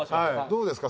どうですか？